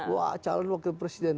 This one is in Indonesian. wah calon wakil presiden